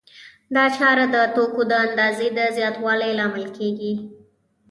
دا چاره د توکو د اندازې د زیاتوالي لامل کېږي